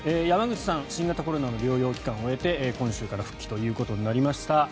山口さん新型コロナの療養期間を終えて今週から復帰ということになりました。